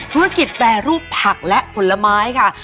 ธุรกิจแปรรูปผักและผลไม้ค่ะ